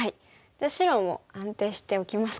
じゃあ白も安定しておきますか。